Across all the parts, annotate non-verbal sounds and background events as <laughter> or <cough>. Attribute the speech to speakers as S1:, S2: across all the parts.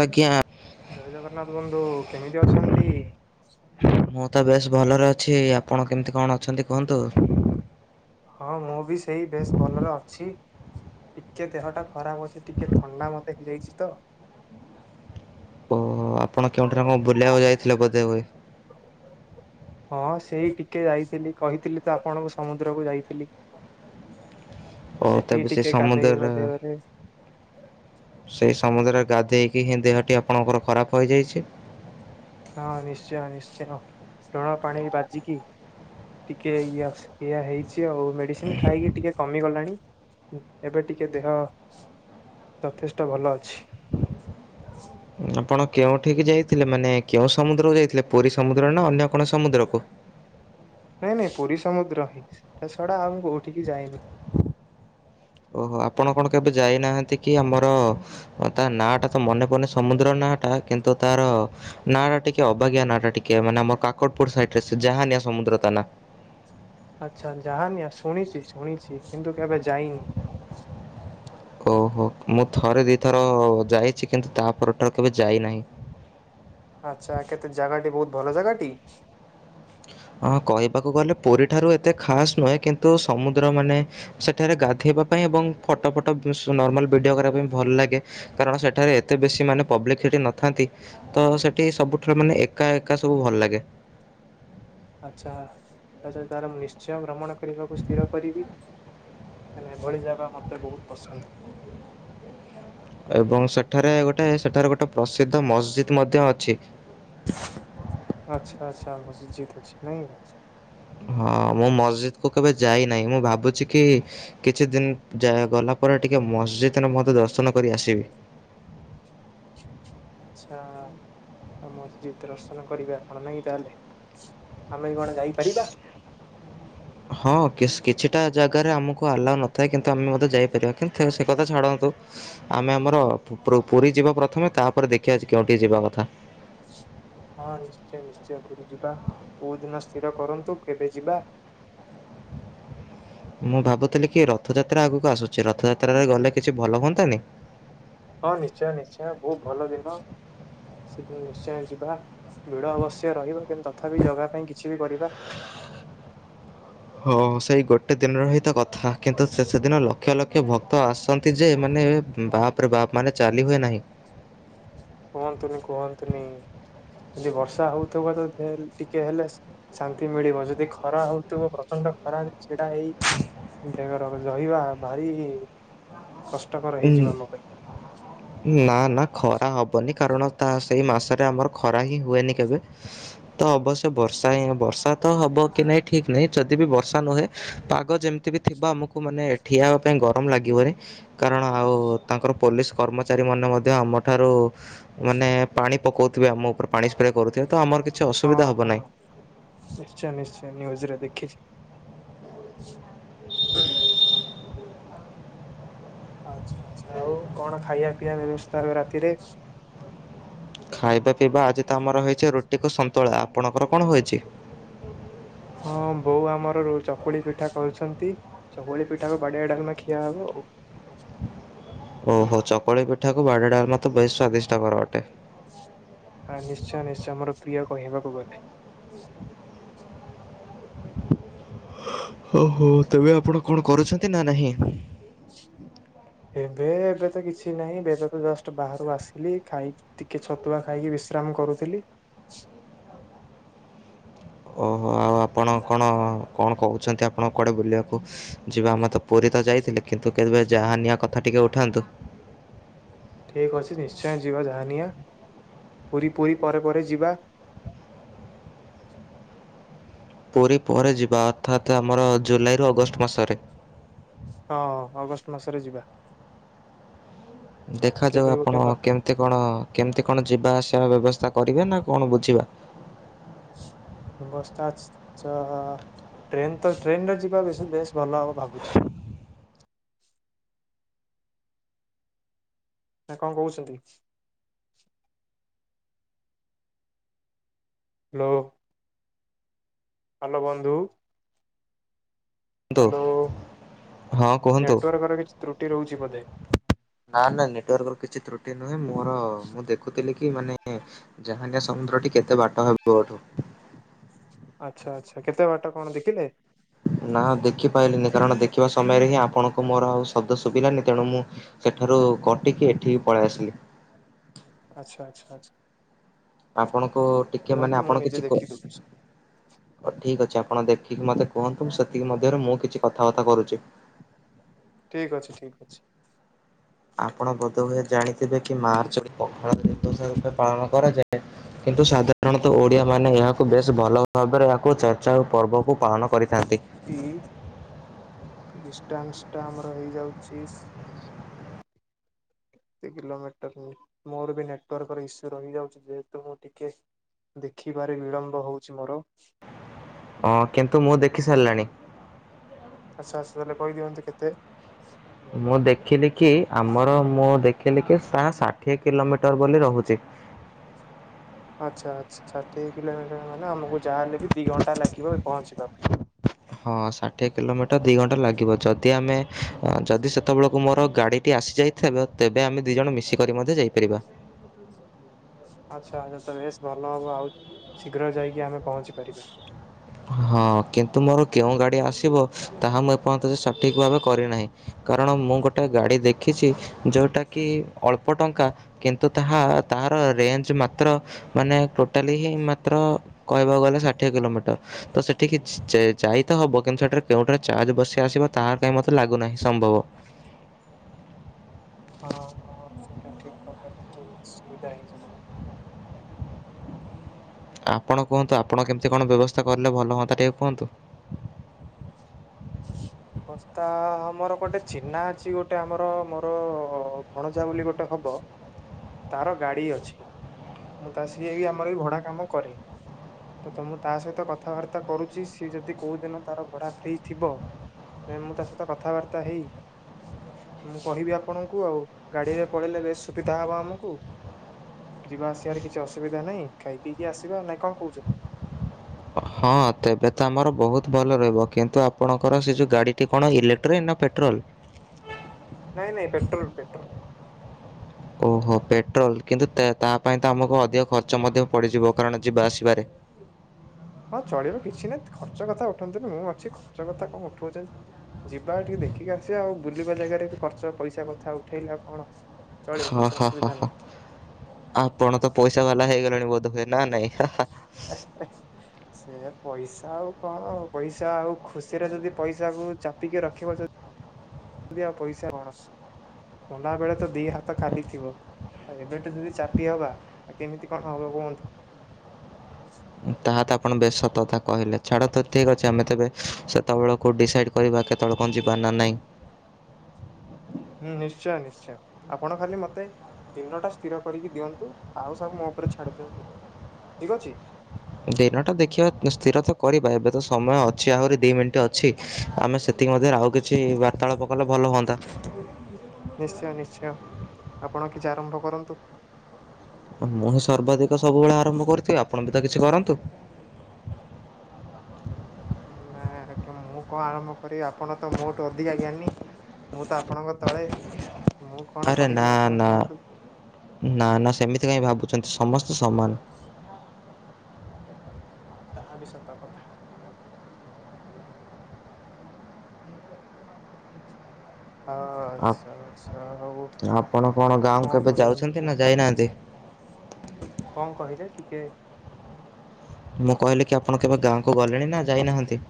S1: ଆଜ୍ଞା
S2: ଜୟ ଜଗନ୍ନାଥ ବନ୍ଧୁ, କେମିତି ଅଛନ୍ତି?
S1: ମୁଁ ତ ବେଶ ଭଲରେ ଅଛି, ଆପଣ କେମିତି କଣ ଅଛନ୍ତି କୁହନ୍ତୁ?
S2: ହଁ ମୁଁ ବି ସେଇ ବେଶ ଭଲରେ ଅଛି। ଟିକେ ଦେହଟା ଖରାପ ଅଛି, ଟିକେ ଥଣ୍ଡା ମୋତେ ହେଇଯାଇଛି ତ।
S1: ଓ ଆପଣ କେଉଁଠାରେ କଣ ବୁଲିଆକୁ ଯାଇଥିଲେ ବୋଧେ ହୁଏ?
S2: ହଁ ସେଇ ଟିକେ ଯାଇଥିଲି, କହିଥିଲି ତ ଆପଣଙ୍କୁ ସମୁଦ୍ରକୁ ଯାଇଥିଲି। ତ
S1: ଓ
S2: ସେଠି
S1: ତାପରେ ସେ
S2: ଟିକେ ଗାଧେଇ
S1: ସମୁଦ୍ରର
S2: ପାଧେଇବାରେ
S1: ସେଇ ସମୁଦ୍ରରେ ଗାଧୋଇକି ହିଁ ଦେହଟି ଆପଣଙ୍କର ଖରାପ ହୋଇଯାଇଛି।
S2: ହଁ ନିଶ୍ଚୟ ନିଶ୍ଚୟ <unintelligible> ପାଣି ବାଜିିକି ଟିକେ ଇଏ ଇଏ ହେଇଛି ଆଉ, ମେଡିସିନ ଖାଇକି ଟିକେ କମିଗଲାଣି। ଏବେ ଟିକେ ଦେହ ଯଥେଷ୍ଟ ଭଲ ଅଛି।
S1: ଆପଣ କେଉଁଠିକି ଯାଇଥିଲେ, ମାନେ କେଉଁ ସମୁଦ୍ରକୁ ଯାଇଥିଲେ ପୁରୀ ସମୁଦ୍ର ନା ଅନ୍ୟ କଣ ସମୁଦ୍ରକୁ?
S2: ନାଇଁ ନାଇଁ ପୁରୀ ସମୁଦ୍ର ହିଁ, ସେଇଟା ଛଡା ଆଉ କୋଉଠିକି ଯାଇନି।
S1: ଓ ହୋ ଆପଣ କଣ କେବେ ଯାଇନାହାନ୍ତି କି ଆମର ତା ନାଁଟା ତ ମନେ ପଡୁନି, ସମୁଦ୍ର ନାଁଟା କିନ୍ତୁ ତାର ନାଁ ଟା ଟିକେ ଅବାଗିଆ ନାଁ ଟା ଟିକେ, ମାନେ ଆମର କାକଟପୁର ସାଇଡ ରେ ସେ ଜାହାନିଆ ସମୁଦ୍ର ତା ନାଁ।
S2: ଆଚ୍ଛା ଯାହାନିଆ ଶୁଣିଛି ଶୁଣିଛି, କିନ୍ତୁ କେବେ ଯାଇନି।
S1: ଓ ହୋ ମୁଁ ଥରେ ଦୁଇଥର ଯାଇଛି, କିନ୍ତୁ ତାପର ଠାରୁ କେବେ ଯାଇନାହିଁ।
S2: ଆଚ୍ଛା କେତେ ଜାଗାଟି ବହୁତ ଭଲ ଜାଗାଟି?
S1: ହଁ କହିବାକୁ ଗଲେ ପୁରୀଠାରୁ ଏତେ ଖାସ୍ ନୁହେଁ, କିନ୍ତୁ ସମୁଦ୍ର ମାନେ ସେଠାରେ ଗାଧେଇବା ପାଇଁ, ଏବଂ ଫଟୋ ଫଟ ନର୍ମାଲ ଭିଡିଓ କରିବା ପାଇଁ ଭଲ ଲାଗେ। କାରଣ ସେଠାରେ ଏତେ ବେଶୀ ମାନେ ପବ୍ଲିସିଟି ନଥାନ୍ତି। ତ ସେଠି ସବୁଠାରୁ ମାନେ ଏକା ଏକା ସବୁ ଭଲ ଲାଗେ।
S2: ଆଚ୍ଛା ଆଚ୍ଛା ତାର ମୁଁ ନିଶ୍ଚୟ ଭ୍ରମଣ କରିବାକୁ ସ୍ଥିର କରିବି। କାଇଁ ନା ଏଭଳି ଜାଗା ମତେ ବହୁତ ପସନ୍ଦ।
S1: ଏବଂ ସେଠାରେ ଗୋଟେ ସେଠାରେ ଗୋଟେ ପ୍ରସିଦ୍ଧ ମସ୍ଜିଦ୍ ମଧ୍ୟ ଅଛି।
S2: ଆଚ୍ଛା ଆଚ୍ଛା ମସ୍ଜିତ ଅଛି ନାଇଁ।
S1: ହଁ ମୁଁ ମସଜିଦ୍ କୁ କେବେ ଯାଇନାହିଁ, ମୁଁ ଭାବୁଛି କି କିଛି ଦିନ ଯ ଗଲା ପରେ ଟିକେ ମସଜିଦରେ ମଧ୍ୟ ଦର୍ଶନ କରି ଆସିବି।
S2: ଆଚ୍ଛା ଆଉ ମସଜିଦ୍ ଦର୍ଶନ କରିବେ ଆପଣ ନାଇଁ ତାହେଲେ? ଆମେ ବି କଣ ଯାଇପାରିବା?
S1: ହଁ ହଁ <unintelligible> କିଛିଟା ଜାଗାରେ ଆମକୁ ଆଲାଉ ନଥାଏ, କିନ୍ତୁ ଆମେ ମଧ୍ୟ ଯାଇପାରିବା। କିନ୍ତୁ ସେ କଥା ଛାଡ଼ନ୍ତୁ ଆମେ ଆମର ପୁରୀ ଯିବା ପ୍ରଥମେ ତାପରେ ଦେଖିବା କେଉଠିକି ଯିବା କଥା।
S2: ହଁ ନିଶ୍ଚୟ ନିଶ୍ଚୟ ପୁରି ଯିବା କୋଉ ଦିନ ସ୍ଥିର କରନ୍ତୁ କେବେ ଯିବା।
S1: ମୁଁ ଭାବୁଥିଲି କି ରଥଯାତ୍ରା ଆଗକୁ ଆସୁଛି ରଥଯାତ୍ରାରେ ଗଲେ କିଛି ଭଲ ହୁଅନ୍ନ୍ତାନି?
S2: ହଁ ନିଶ୍ଚୟ ନିଶ୍ଚୟ ବହୁତ ଭଲ ଦିନ। ସେଦିନ ନିଶ୍ଚୟ ଯିବା ଭିଡ ଅବଶ୍ୟ ରହିବ କିନ୍ତୁ ତଥାପି ଜଗା ପାଇଁ କିଛି ବି କରିବା।
S1: ହଁ ସେଇ ଗୋଟେ ଦିନର ହିଁତ କଥା କିନ୍ତୁ ଶେଷ ଦିନ ଲକ୍ଷ ଲକ୍ଷ ଭକ୍ତ ଆସଛନ୍ତି ଯେ ମାନେ ବାପରେ ବାପ ମାନେ ଚାଲି ହୁଏ ନାହିଁ।
S2: କୁହନ୍ତୁନି କୁହନ୍ତୁନି ଯଦି ବର୍ଷା ହଉଥିବ ତ ଟିକେ ହେଲେ ଶାନ୍ତି ମିଳିବ ଯଦି ଖରା ହଉଥିବ ପ୍ରଚଣ୍ଡ ଖରା ଛିଡା ହେଇ ତାଙ୍କର ରହିବା ଭାରି କଷ୍ଟକର ହେଇଯିବ ଆମ ପାଇଁ।
S1: ନା ନା ଖରା ହବନି। କାରଣ ତା ସେଇ ମାସରେ ଆମର ଖରା ହିଁ ହୁଏନି କେବେ। ତ ଅବଶ୍ୟ ବର୍ଷା ହିଁ ବର୍ଷା ତ ହବ କି ନାଇଁ ଠିକ ନାହିଁ ଯଦି ବି ବର୍ଷା ନୁହେଁ ପାଗ ଯେମିତି ତେ ବି ଥିବ ଆମକୁ ମାନେ ଠିଆହବା ପାଇଁ ଗରମ ଲାଗିବନି। କାରଣ ଆଉ ତାଙ୍କର ପୋଲିସ କର୍ମଚାରୀମାନେ ମଧ୍ୟ ଆମଠାରୁ ମାନେ ପାଣି ପକଉଥିବେ ଆମ ଉପରେ ପାଣି ସ୍ପ୍ରେ କରୁଥିବେ ତ ଆମର କିଛି
S2: ହଁ
S1: ଅସୁବିଧା ହବ
S2: ହଁ
S1: ନାହିଁ।
S2: ନିଶ୍ଚୟ ନିଶ୍ଚୟ ନିଉଜରେ ଦେଖିଛି। <unintelligible> ଆଛା ଆଚ୍ଛା ଆଉ କଣ ଖାଇବା ପିଇବା ବ୍ୟବସ୍ଥା ଏବେ ରାତିରେ?
S1: ଖାଇବା ପିଇବା ଆଜି ତ ଆମର ହେଇଛି ରୁଟିକୁ ସନ୍ତୁଳା ଆପଣଙ୍କର କଣ ହୋଇଛି?
S2: ହଁ ବୋଉ ଆମର ଚକୁଳି ପିଠା କରୁଛନ୍ତି। ଚୁକୁଳିପିଠାକୁ ବାଡିଆ ଡାଲମା ଖିଆ ହବ ଆଉ।
S1: ଓହୋ ଚକୁଳି ପିଠାକୁ ବାଡିଆ ଡାଲମା ତ ବେଶ ସ୍ଵାଦିଷ୍ଟ କର ଅଟେ।
S2: ହଁ ନିଶ୍ଚୟ ନିଶ୍ଚୟ ମୋର ପ୍ରିୟ କହିବାକୁ ଗଲେ।
S1: ଓହୋ ତେବେ ଆପଣ କଣ କରୁଛନ୍ତି ନା ନାହିଁ?
S2: ଏବେ ଏବେ ତ କିଛି ନାହିଁ ଏବେ ତ ଜଷ୍ଟ ବାହାରୁ ଆସିଲି ଖାଇକି ଟିକେ ଛତୁଆ ଖାଇକି ବିଶ୍ରାମ କରୁଥିଲି।
S1: ଓହୋ ଆଉ ଆପଣ କଣ କଣ କହୁଛନ୍ତି ଆପଣ କୁଆଡେ ବୁଲିବାକୁ? ଯିବା ଆମେ ତ ପୁରୀ ତ ଯାଇଥିଲେ କିନ୍ତୁ ତେବେ ଯାହା ନିଆ କଥା ଟିକେ ଉଠାନ୍ତୁ।
S2: ଠିକ୍ ଅଛି ନିଶ୍ଚୟ ଯିବା ଯାହା ନିିଆ ପୁରୀ ପୁରୀ ପରେ ପରେ ଯିବା।
S1: ପୁରୀ ପରେ ଯିବା ଅର୍ଥାତ୍ ଆମର ଜୁଲାଇରୁ ଅଗଷ୍ଟ ମାସରେ।
S2: ହଁ ଅଗଷ୍ଟ ମାସରେ ଯିବା।
S1: ଦେଖାଯାଉ
S2: କେବେ ଗୋଟେ
S1: ଆପଣ କେମିତି କଣ କେମିତି କଣ ଯିବା ଆସିବା ବ୍ୟବସ୍ଥା କରିବେ ନା କଣ ବୁଝିବା?
S2: ବ୍ଯବସ୍ଥା ଚ ଟ୍ରେନ ତ ଟ୍ରେନ ରେ ଯିବା ବେଶି ବେଶ ଭଲ ହବ ଭାବୁଛି।
S1: <inaudible>
S2: ନା କଣ କହୁଛନ୍ତି? ହା ଲୋ। ହ୍ୟାଲୋ ବନ୍ଧୁ।
S1: କୁହନ୍ତୁ
S2: ହ୍ୟାଲୋ
S1: ହଁ କୁହନ୍ତୁ।
S2: ନେଟୱାର୍କ ର କିଛି ତ୍ରୁଟି ରହୁଛି ବୋଧେ?
S1: ନା ନା ନେଟାର୍କ ର କିଛି ତ୍ରୁଟି ନୁହେଁ ମୋର ମୁଁ ଦେଖୁଥିଲି କି ମାନେ ଜାହାନିଆ ସମୁଦ୍ରଟି କେତେ ବାଟ ହେବ ଏଇଠୁ?
S2: ଆଚ୍ଛା ଆଚ୍ଛା କେତେ ବାଟ କଣ ଦେଖିଲେ?
S1: ନା ଦେଖିପାଇଲିିନି କାରଣ ଦେଖିବା ସମୟରେ ହିଁ ଆପଣଙ୍କୁ ମୋର ଆଉ ଶବ୍ଦ ଶୁଭିଲାନି ତେଣୁ ମୁଁ ସେଠାରୁ କଟିକି ଏଠିକି ପଳେ ଆସିଲି।
S2: ଆଚ୍ଛା ଆଚ୍ଛା ଆଚ୍ଛା।
S1: ଆପଣଙ୍କୁ ଟିକେ ମାନେ
S2: ରୁହନ୍ତୁ ମୁଁ
S1: ଆପଣ
S2: ନିଜେ
S1: କିଛି କୁ
S2: ଦେଖି ଦଉଛି
S1: ଅ ଠିକ୍ ଅଛି ଆପଣ ଦେଖିକି ମତେ କୁହନ୍ତୁ ମୁଁ ସେତିକି ମଧ୍ୟରେ ମୁଁ କିଛି କଥାବାର୍ତା କରୁଚି।
S2: ଠିକ୍ ଅଛି ଠିକ୍ ଅଛି।
S1: ଆପଣ ବୋଧହୁଏ ଜାଣିଥିବେ କି ମାର୍ଚ୍ଚରେ ପଖାଳ ଦିବସ ରୂପେ ପାଳନ କରାଯାଏ? କିନ୍ତୁ ସାଧାରଣତଃ ଓଡ଼ିଆ ମାନେ ଏହାକୁ ବେଶ୍ ଭଲ ଭାବରେ ଏହାକୁ ଚର୍ଚ୍ଚା ଓ ପର୍ବକୁ ପାଳନ କରିଥାନ୍ତି।
S2: କି ଡିଷ୍ଟାନ୍ସ୍ ଟା ଆମର ହେଇ ଯାଉଚି ସ୍ <unintelligible> କିଲୋମିଟର୍ ଉଁ ମୋର ବି ନେଟୱାର୍କର ଇସ୍ୟୁ ରହିଯାଉଚି ଯେହେତୁ ମୁଁ ଟିକେ ଦେଖିବାରେ ବିଳମ୍ବ ହଉଚି ମୋର।
S1: ହଁ କିନ୍ତୁ ମୁଁ ଦେଖି ସାଲ୍ଲାଣି।
S2: ଆଚ୍ଛା ଆଚ୍ଛା ତାହେଲେ କହିଦିଅନ୍ତୁ କେତେ?
S1: ମୁଁ ଦେଖିଲି କି ଆମର ମୁଁ ଦେଖିଲି କି ସା ଷାଠିଏ କିଲୋମିଟର୍ ବୋଲି ରହୁଚି।
S2: ଆଚ୍ଛା ଆଚ୍ଛା ଷାଠିଏ କିଲୋମିଟର୍ ମାନେ ଆମକୁ ଯା ହେଲେ ବି ଦି ଘଣ୍ଟା ଲାଗିବ ପହଞ୍ଚିବା ପାଇଁ।
S1: ହଁ ଷାଠିଏ କିଲୋମିଟର୍ ଦି ଘଣ୍ଟା ଲାଗିବ ଯଦି ଆମେ ଯଦି ସେତେବେଳକୁ ମୋର ଗାଡ଼ିଟି ଆସିଯାଇ ଥିବ ତେବେ ଆମେ ଦି ଜଣ ମିଶିକରି ମଧ୍ୟ ଯାଇପାରିବା।
S2: ଆଚ୍ଛା ଆଚ୍ଛା ତ ବେଶ୍ ଭଲ ହବ ଆଉ ଶୀଘ୍ର ଯାଇକି ଆମେ ପହଞ୍ଚି ପାରିବା।
S1: ହଁ କିନ୍ତୁ ମୋର କେଉଁ ଗାଡ଼ି ଆସିବ ତାହା ମୁଁ ଏପର୍ଯ୍ୟନ୍ତ ସଠିକ୍ ଭାବେ କରି ନାହିଁ। କାରଣ ମୁଁ ଗୋଟେ ଗାଡ଼ି ଦେଖିଚି ଯୋଉଟାକି ଅଳ୍ପ ଟଙ୍କା କିନ୍ତୁ ତାହା ତାର ରେଞ୍ଜ୍ ମାତ୍ର ମାନେ ଟୋଟାଲି ହିଁ ମାତ୍ର କହିବାକୁ ଗଲେ ଷାଠିଏ କିଲୋମିଟର୍। ତ ସେଠିକି ଚେ ଯାଇ ତ ହବ କିନ୍ତୁ ସେଠାରେ କେଉଁଠାରେ ଚାର୍ଜ ବସି ଆସିବ ତା କାଇଁ ମତେ ଲାଗୁନାହିଁ ସମ୍ଭବ।
S2: ହଁ-ହଁ ସେଟା ଠିକ୍ କଥା ଟିକେ ଅସୁବିଧା ହେଇଯିବ।
S1: ଆପଣ କୁହନ୍ତୁ ଆପଣ କେମ୍ତି କଣ ବ୍ୟବସ୍ଥା କରିଲେ ଭଲ ହୁଅନ୍ତା ଟିକେ କୁହନ୍ତୁ? <inaudible>
S2: ବସ୍ଥା ଆମର ଗୋଟେ ଚିହ୍ନା ଅଛି ଗୋଟେ ଆମର ମୋର ଭଣଜା ବୋଲି ଗୋଟେ ହବ ତାର ଗାଡି ଅଛି ମୁଁ ତା ସିଏ ବି ଆମର ଏ ଭଡା କାମ କରେ। ତ ତ ମୁଁ ତା ସହିତ କଥା ବାର୍ତ୍ତା କରୁଚି ସିଏ ଯଦି କୋଉ ଦିନ ତାର ଭଡ଼ା ଫ୍ରି ଥିବ ନା ମୁଁ ତା ସହିତ କଥା ବାର୍ତ୍ତା ହେଇ ମୁଁ କହିବି ଆପଣଙ୍କୁ ଆଉ। ଗାଡିରେ ପଳେଇଲେ ବେଶ୍ ସୁବିଧା ହବ ଆମକୁ। ଯିବା ଆସିବାରେ କିଛି ଅସୁବିଧା ନାଇଁ ଖାଇ ପିଇକି ଆସିବା ନା କଁ କହୁଛନ୍ତି?
S1: ହଁ ତେବେ ତ ଆମର ବହୁତ୍ ଭଲ ରହିବ କିନ୍ତୁ ଆପଣଙ୍କର ସେ ଯୋଉ ଗାଡ଼ିଟି କଣ ଇଲେକ୍ଟ୍ରି ନା ପେଟ୍ରୋଲ୍?
S2: ନାଇଁ ନାଇଁ ପେଟ୍ରୋଲ୍ ପେଟ୍ରୋଲ୍।
S1: ଓହୋ ପେଟ୍ରୋଲ୍ କିନ୍ତୁ ତେ ତା ପାଇଁ ତ ଆମକୁ ଅଧିକ ଖର୍ଚ୍ଚ ମଧ୍ୟ ପଡିଯିବ କାରଣ ଯିବା ଆସିବାରେ।
S2: ହଁ ଚଳିବ କିଛି ନାଇଁ ଖର୍ଚ୍ଚ କଥା ଉଠନ୍ତୁନି ମୁଁ ଅଛି ଖର୍ଚ୍ଚ କଥା କଁ ଉଠଉଚନ୍ତି। ଯିବା ଟିକେ ଦେଖିକି ଆସିବା ଆଉ ବୁଲିବା ଜାଗାରେ ଯଦି ବି ଖର୍ଚ୍ଚ ପଇସା କଥା ଉଠେଇଲେ ଆଉ କଣ। ଚଳିବ କିଛି ଅସୁବିଧା
S1: ହ-ହ-ହ-ହ
S2: ନାହିଁ।
S1: ଆପଣ ତ ପଇସା ବାଲା ହେଇଗଲେଣି ବୋଧ୍ ହୁଏ ନା ନାଇଁ?
S2: <unintelligible> ସେ ପଇସା ଆଉ କଁ <unintelligible> ପଇସା ଆଉ ଖୁସିରେ ଯଦି ପଇସାକୁ ଚାପିକି ରଖିବ ଯ <unintelligible> ଆଉ ପଇସା କଣ ଗଲା ବେଳେ ତ ଦି ହାତ ଖାଲି ଥିବ।। ଆ ଏବେ ଠୁ ଯଦି ଚାପି ହବା ଆ କେମିତି କଣ ହବ କୁହନ୍ତୁ?
S1: ତାହା ତ ଆପଣ ବେଶ୍ ସତ କଥା କହିଲେ ଛାଡ଼ ତ ଠିକ୍ ଅଛି ଆମେ ତେବେ ସେତେବେଳକୁ ଡିସାଇଡ଼୍ କରିବା କେତେବେଳେ କଁ ଯିବା ନା ନାଇଁ।
S2: ହୁଁ ନିଶ୍ଚୟ ନିଶ୍ଚୟ ଆପଣ ଖାଲି ମତେ ଦିନ ଟା ସ୍ଥିର କରିକି ଦିଅନ୍ତୁ ଆଉ ସବୁ ମୋ ଉପରେ ଛାଡ଼ି ଦିଅନ୍ତୁ ଠିକ୍ ଅଛି।
S1: ଦିନଟା ଦେଖିବା ସ୍ଥିର ତ କରିବା ଏବେ ତ ସମୟ ଅଛି ଆହୁରି ଦୁଇ ମିନିଟ୍ ଅଛି। ଆମେ ସେ ତିକି ମଧ୍ୟରେ ଆଉ କିଛି ବାର୍ତ୍ତାଳାପ କଲେ ଭଲ ହୁଅନ୍ତା।
S2: ନିଶ୍ଚୟ ନିଶ୍ଚୟ। ଆପଣ କିଛି ଆରମ୍ଭ କରନ୍ତୁ।
S1: ହଁ ମୁଁ ହିଁ ସର୍ବାଧିକ ସବୁବେଳେ ଆରମ୍ଭ କରୁଥିବି। ଆପଣ ବି ତ କିଛି କରନ୍ତୁ।
S2: ନାଇଁ ଆଜ୍ଞା। ମୁଁ କଣ ଆରମ୍ଭ କରିିବି। ଆପଣ ତ ମୋଠୁ ଅଧିକା ଜ୍ଞାନୀ। ମୁଁ ତ ଆପଣଙ୍କ ତଳେ। ମୁଁ କଣ
S1: ଆରେ ନା
S2: କହିବି? ଆପଣ
S1: ନା
S2: କଅନ୍ତୁ।
S1: ନା ନା। ସେମିତି କାଇଁ ଭାବୁଛନ୍ତି? ସମସ୍ତେ ସମାନ।
S2: ହ ତାହା ବି ସତ କଥା। ହଁ।
S1: ଆପ-
S2: ଆଚ୍ଛା ଆଚ୍ଛା। ହଉ କଣ କହିବା ତୁ କୁହ?
S1: ଦେଇ ନାହାନ୍ତି।
S2: କଣ କହିଲେ ଟିକେ
S1: ମୁଁ କହିଲି କି ଆପଣ କେବେ ଗାଁକୁ ଗଲେଣି ନା ଯାଇ ନାହାନ୍ତି?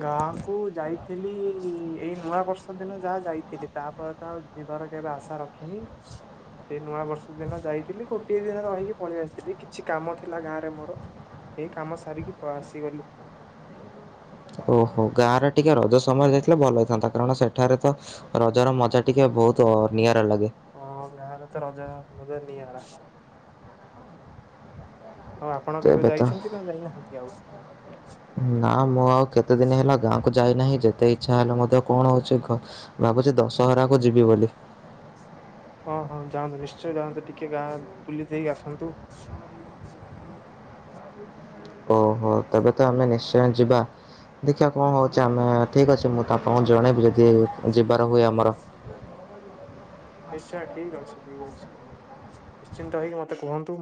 S2: ଗାଁକୁ ଯାଇଥିଲି ଏଇ ନୂଆ ବର୍ଷ ଦିନ ଯାହା ଯାଇଥିଲି। ତାପରେ ତ ଆଉ ଯିବାର କେବେ ଆଶା ରଖିନି। ସେ ନୂଆ ବର୍ଷ ଦିନ ଯାଇଥିଲି। ଗୋଟିଏ ଦିନ ରହିକି ପଳେଇ ଆସିଥିଲି। କିଛି କାମ ଥିଲା ଗାଁ ରେ ମୋର। ଏଇ କାମ ସାରିକି ପା ଆସିଗଲି।
S1: ଓହୋଃ। ଗାଁ ରେ ଟିକେ ରଜ ସମୟରେ ଯାଇଥିଲେ ଭଲ ହେଇଥାନ୍ତା। କାରଣ ସେଠାରେ ତ ରଜର ମଜା ଟିକେ ବୋହୁତ୍ ଅ ନିଆରା ଲାଗେ।
S2: ହଁ ଗାଁରେ ତ ରଜ ମଜା ନିଆରା। ହଁ ଆପଣ
S1: ତ
S2: କେବେ
S1: ଏବେ ତ
S2: ଯାଇଛନ୍ତି ନା ଯାଇନାହାନ୍ତି ଆଉ?
S1: ନା ମୁଁ ଆଉ କେତେ ଦିନ ହେଲା ଗାଁକୁ ଯାଇ ନାହିଁ। ଯେତେ ଇଚ୍ଛା ହେଲେ ମଧ୍ୟ କଣ ହଉଛି ଭାବୁଛି ଦଶହରାକୁ ଯିବି ବୋଲି।
S2: ହଁ ହଁ, ଯାଆନ୍ତୁ ନିଶ୍ଚୟ ଯାଆନ୍ତୁ। ଟିକେ ଗାଁ ବୁଲି ଦେଇ ଆସନ୍ତୁ।
S1: ଓହୋଃ, ତେବେ ତ ଆମେ ନିଶ୍ଚୟ ଯିବା। ଦେଖିଆ କଣ ହଉଛି। ଆମେ ଠିକ୍ ଅଛି। ମୁଁ ତ ଆପଣଙ୍କୁ ଜଣେଇବି। ଯଦି ଯିବାର ହୁଏ ଆମର।
S2: ନିଶ୍ଚୟ ଠିକ୍ ଅଛି। ଠିକ୍ ଅଛି। ନିଶ୍ଚିନ୍ତ ହେଇକି ମତେ କୁହନ୍ତୁ।